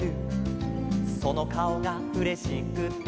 「そのかおがうれしくて」